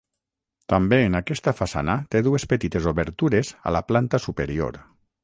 També en aquesta façana té dues petites obertures a la planta superior.